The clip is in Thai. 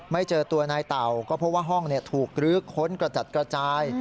ไม่เจอตัวนายเต่าก็เพราะว่าห้องถูกลื้อค้นกระจัดกระจาย